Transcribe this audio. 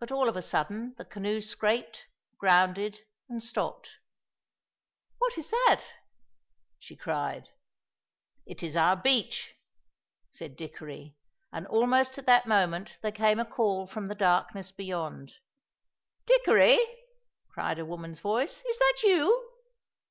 But all of a sudden the canoe scraped, grounded, and stopped. "What is that?" she cried. "It is our beach," said Dickory, and almost at that moment there came a call from the darkness beyond. "Dickory!" cried a woman's voice, "is that you?"